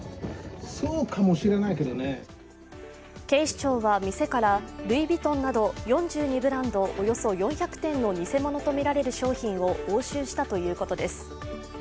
警視庁は、店からルイ・ヴィトンなど４２ブランド、およそ４００点の偽物とみられる商品を押収したということです。